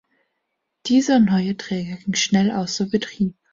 Dieser neue Träger ging schnell außer Betrieb.